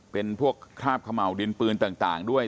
เป็นพวกคราบเขม่าวดินปืนต่างด้วย